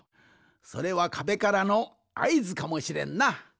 それはかべからのあいずかもしれんな。